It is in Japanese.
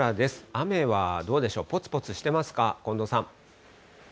雨はどうでしょう、ぽつぽつしてますか、近藤さん。